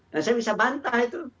dan saya bisa bantah itu